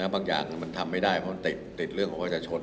บางอย่างมันทำไม่ได้เพราะมันติดเรื่องของประชาชน